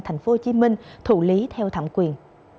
thành phố hồ chí minh thủ lý theo thẩm quyền